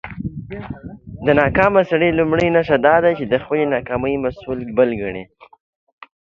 د ناکامه سړى لومړۍ نښه دا ده، چې د خپلى ناکامۍ مسول بل کڼې.